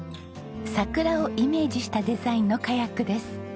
桜をイメージしたデザインのカヤックです。